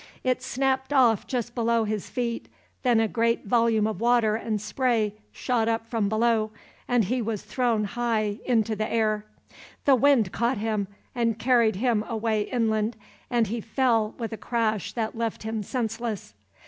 It snapped off just below his feet, then a great volume of water and spray shot up from below, and he was thrown high into the air. The wind caught him and carried him away inland, and he fell, with a crash that left him senseless.